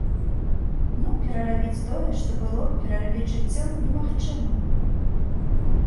Ну, перарабіць тое, што было, перарабіць жыццё немагчыма.